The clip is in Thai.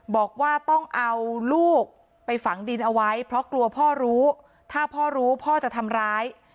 บอกว่าต้องเอาลูกไปฝังดินเอาไว้เพราะกลัวพ่อรู้ถ้าพ่อรู้พ่อจะทำร้าย